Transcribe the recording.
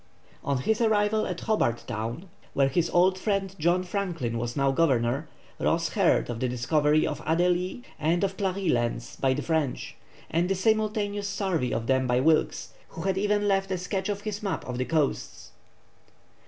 On his arrival at Hobart Town, where his old friend John Franklin was now governor, Ross heard of the discovery of Adélie and of Clarie Lands by the French, and the simultaneous survey of them by Wilkes, who had even left a sketch of his map of the coasts.